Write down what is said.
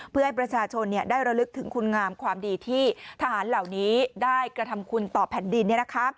เพื่อให้ประชาชนได้ระลึกถึงคุณงามความดีที่ทหารเหล่านี้ได้กระทำคุณต่อแผ่นดิน